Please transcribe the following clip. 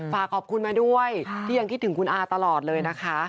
ฝากขอบคุณมาด้วยที่ยังคิดถึงคุณอาตลอดเลยนะคะ